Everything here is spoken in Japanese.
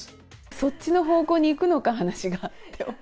そっちの方向に行くのか話がって。